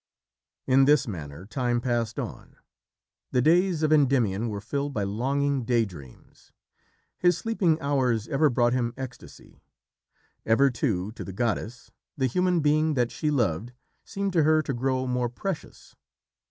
In this manner time passed on. The days of Endymion were filled by longing day dreams. His sleeping hours ever brought him ecstasy. Ever, too, to the goddess, the human being that she loved seemed to her to grow more precious.